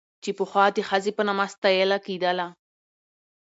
چې پخوا د ښځې په نامه ستايله کېدله